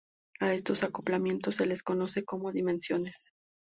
A estos acoplamientos se les conoce como dimensiones.